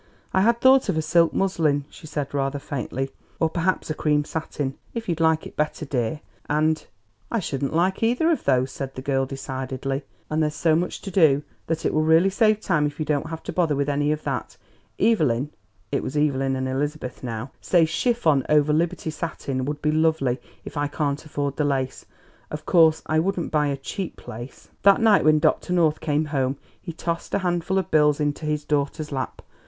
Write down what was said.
"I had thought of a silk muslin," she said rather faintly, "or perhaps a cream satin if you'd like it better, dear, and " "I shouldn't like either of those," said the girl decidedly, "and there's so much to do that it will really save time if you don't have to bother with any of that; Evelyn (it was Evelyn and Elizabeth now) says chiffon over liberty satin would be lovely if I can't afford the lace. Of course I wouldn't buy a cheap lace." That night when Dr. North came home he tossed a handful of bills into his daughter's lap.